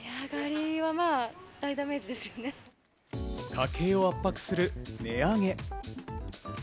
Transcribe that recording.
家計を圧迫する値上げ。